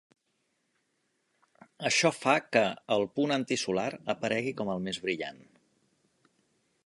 Això fa que el punt antisolar aparegui com el més brillant.